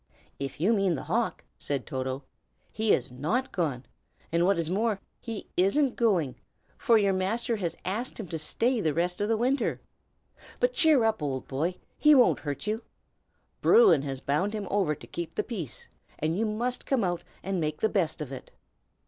"If you mean the hawk," said Toto, "he is not gone; and what is more, he isn't going, for your master has asked him to stay the rest of the winter. But cheer up, old boy! he won't hurt you. Bruin has bound him over to keep the peace, and you must come out and make the best of it."